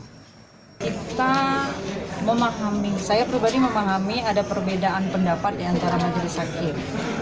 kita memahami saya pribadi memahami ada perbedaan pendapat diantara majelis hakim